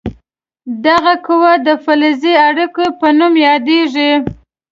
دغه قوه د فلزي اړیکې په نوم یادیږي.